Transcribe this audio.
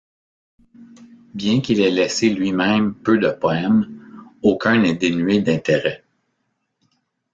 Bien qu’il ait laissé lui-même peu de poèmes, aucun n’est dénué d’intérêt.